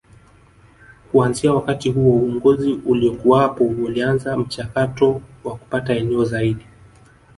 Kuanzia wakati huo uongozi uliokuwapo ulianza mchakato wa kupata eneo zaidi